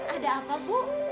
ada apa bu